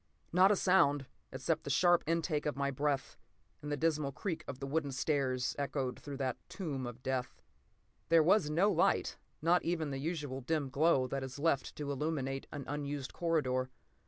Not a sound, except the sharp intake of my breath and the dismal creak of the wooden stairs, echoed through that tomb of death. There was no light, not even the usual dim glow that is left to illuminate an unused corridor.